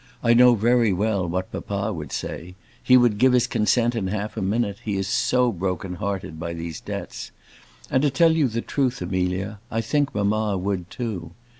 I know very well what papa would say. He would give his consent in half a minute; he is so broken hearted by these debts. And, to tell you the truth, Amelia, I think mamma would too.